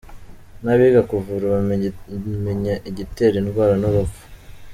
N’abiga kuvura bamenya igitera indwara n’urupfu.